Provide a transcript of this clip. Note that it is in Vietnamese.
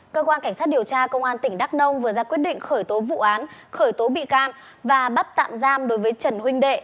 cơ quan cảnh sát điều tra công an tỉnh đắk nông vừa ra quyết định khởi tố vụ án khởi tố bị can và bắt tạm giam đối với trần huỳnh đệ